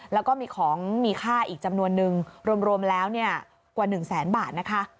แล้วก็มีของมีค่าอีกจำนวนนึงรวมแล้วกว่า๑แสนบาทนะคะ